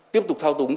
tiếp tục thao túng